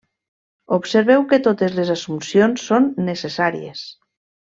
Observeu que totes les assumpcions són necessàries.